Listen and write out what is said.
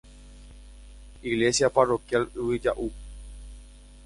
Iglesia Parroquial Yvyjaʼu.